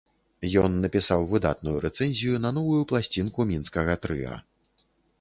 Ён напісаў выдатную рэцэнзію на новую пласцінку мінскага трыа.